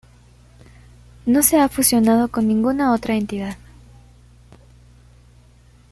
No se ha fusionado con ninguna otra entidad.